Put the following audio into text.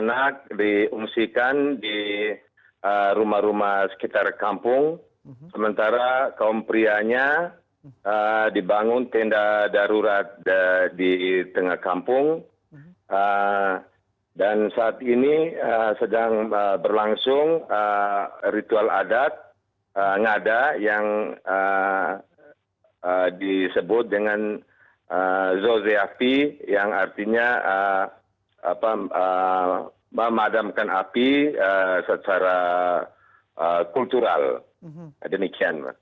artinya memadamkan api secara kultural demikian pak